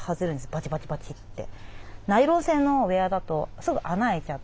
バチバチバチって。